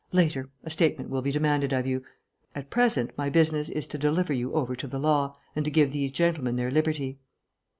Later, a statement will be demanded of you. At present my business is to deliver you over to the law, and to give these gentlemen their liberty."